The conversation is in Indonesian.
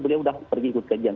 beliau sudah pergi ikut kajian